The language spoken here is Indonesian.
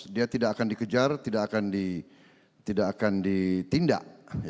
dia tidak akan dikejar tidak akan ditindak